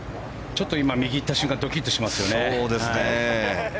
ちょっと今右に行った瞬間ドキッとしましたね。